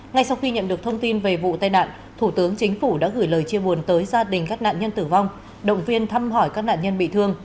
ngay sau khi nhận được thông tin về vụ tai nạn thủ tướng chính phủ đã gửi lời chia buồn tới gia đình các nạn nhân tử vong động viên thăm hỏi các nạn nhân bị thương